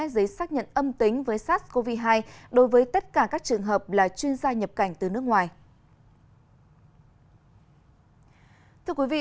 giấy xác nhận âm tính với sars cov hai đối với tất cả các trường hợp là chuyên gia nhập cảnh từ nước ngoài